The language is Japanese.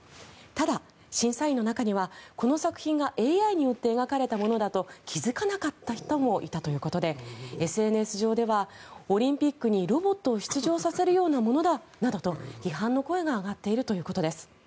ただ、審査員の中にはこの作品がＡＩによって描かれたものだと気付かなかった人もいたということでＳＮＳ上ではオリンピックにロボットを出場させるようなものだと批判の声が上がっているということです。